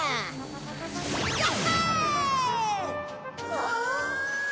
ああ！